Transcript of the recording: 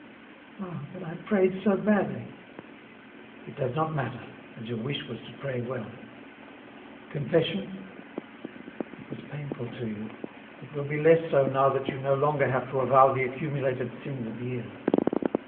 '' Ah ! but I prayed so badly !"" It does not matter, as your wish was to pray well 1 Confession ?— It was painful to you ; it will be less so now that you no longer have to avow the accumulated sins of years.